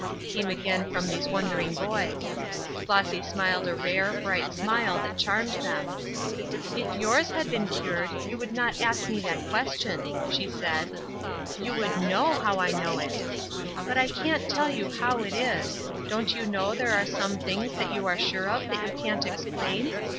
came again from these wondering boys. Flossy smiled a rare, bright smile that charmed them. "If yours had been cured you would not ask me that question," she said; "you would know how I know it. But I can't tell you how it is: don't you know there are some things that you are sure of that you can't explain?